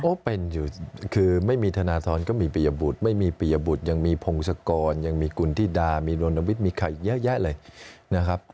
เป็นอยู่คือไม่มีธนทรก็มีปริยบุตรไม่มีปียบุตรยังมีพงศกรยังมีคุณธิดามีรณวิทย์มีข่าวอีกเยอะแยะเลยนะครับ